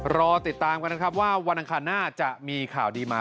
รอติดตามกันนะครับว่าวันอังคารหน้าจะมีข่าวดีมา